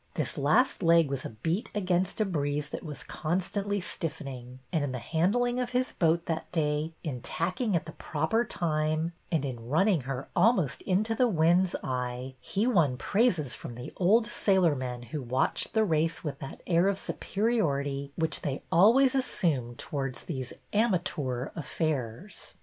This last leg was a beat against a breeze that was constantly stiffening, and in the handling of his boat that day, in tacking at the proper time, and in running her almost into the wind's eye, he won praises from the old sailormen who watched the race with that air of superiority which they always assumed towards these '' ama toor " affairs.